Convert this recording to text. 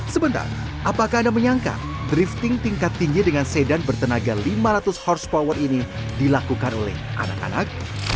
sebentar apakah anda menyangka drifting tingkat tinggi dengan sedan bertenaga lima ratus h power ini dilakukan oleh anak anak